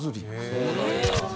そうなんだ！